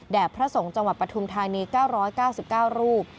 พระสงฆ์จังหวัดปฐุมธานี๙๙๙รูป